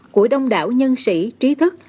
của đông đảo nhân sĩ trí thức